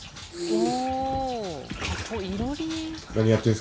お！